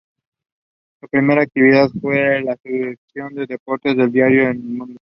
Su primera actividad fue en la sección de deportes del diario El Mundo.